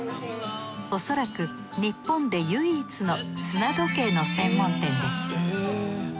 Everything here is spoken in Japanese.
おそらく日本で唯一の砂時計の専門店です